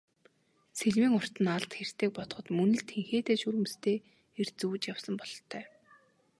Сэлмийн урт нь алд хэртэйг бодоход мөн л тэнхээтэй шөрмөстэй эр зүүж явсан бололтой.